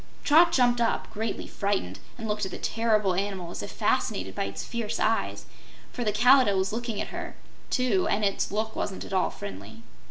Trot jumped up, greatly frightened, and looked at the terrible animal as if fascinated by its fierce eyes, for the Kalidah was looking at her, too, and its look wasn't at all friendly.